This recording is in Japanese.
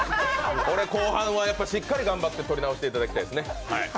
これ、後半はしっかり頑張って取り直していただきたいですね。